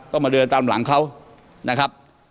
ก็มาเดินตามหลังเขานะครับ